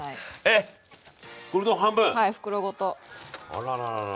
あらららら。